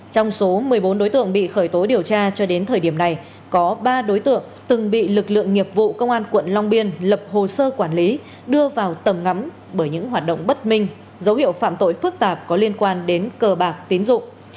trong số một mươi bốn đối tượng bị khởi tố điều tra cho đến thời điểm này có ba đối tượng từng bị lực lượng nghiệp vụ công an quận long biên lập hồ sơ quản lý đưa vào tầm ngắm bởi những hoạt động bất minh dấu hiệu phạm tội phức tạp có liên quan đến cờ bạc tín dụng